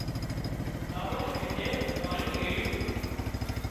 ٻاوۯ هيٺي پاڻي ايڙيون